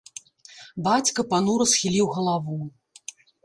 Бацька панура схіліў галаву.